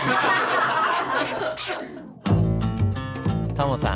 タモさん